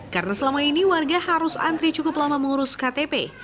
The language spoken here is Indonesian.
karena selama ini warga harus antri cukup lama mengurus ktp